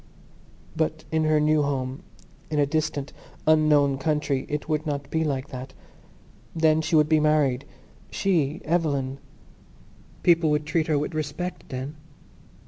But in her new home, in a distant unknown country, it would not be like that. Then she would be married—she, Eveline. People would treat her with respect then.